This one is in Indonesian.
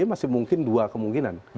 masih mungkin dua kemungkinan